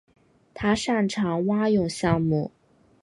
他擅长蛙泳项目。